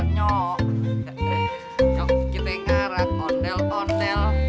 nyok kita ngarah ondel ondel